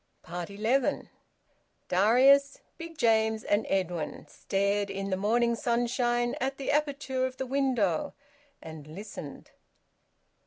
ELEVEN. Darius, Big James, and Edwin stared in the morning sunshine at the aperture of the window and listened.